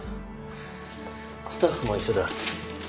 スタッフも一緒だ。